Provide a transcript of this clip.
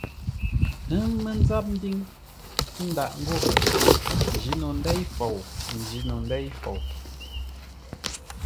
Ə́ mə́ ńzáp ḿbíŋ ndâʼ ngô njî no ndêi fou, n njîno ndêi fou.